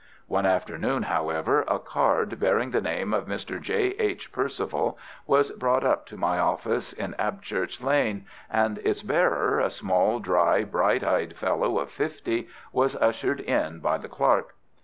One afternoon, however, a card bearing the name of Mr. J. H. Perceval was brought up to my office in Abchurch Lane, and its bearer, a small dry, bright eyed fellow of fifty, was ushered in by the clerk.